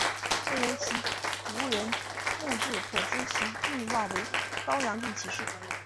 仅由其族人墓志可知其郡望为高阳郡齐氏。